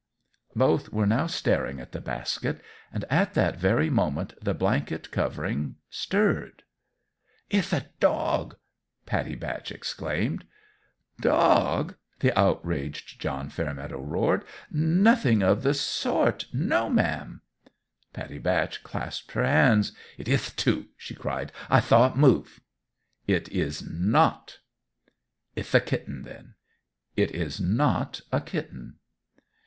Both were now staring at the basket; and at that very moment the blanket covering stirred! "Ith a dog!" Pattie Batch exclaimed. "Dog!" the outraged John Fairmeadow roared. "Nothing of the sort! No ma'am!" Pattie Batch clasped her hands. "It ith, too!" she cried. "I thaw it move." "It is not!" "Ith a kitten, then." "It is not a kitten!"